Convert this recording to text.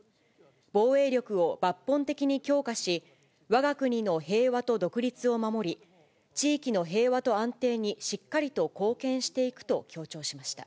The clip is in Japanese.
防衛力を抜本的に強化し、わが国の平和と独立を守り、地域の平和と安定にしっかりと貢献していくと強調しました。